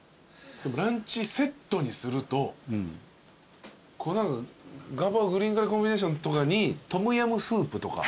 ランチセットにするとガパオ・グリーンカレーコンビネーションとかにトムヤムスープとか。